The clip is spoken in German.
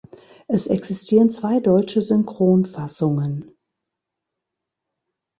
Es existieren zwei deutsche Synchronfassungen.